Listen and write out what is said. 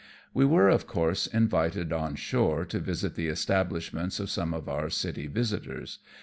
We werOj of course, invited on shore to visit the establishments of some of our city visitors.